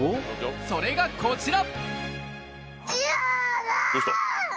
それがこちら。